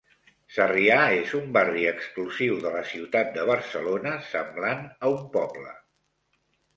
Sarrià és un barri exclusiu de la ciutat de Barcelona semblant a un poble